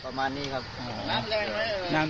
ประมาณนี้ครับ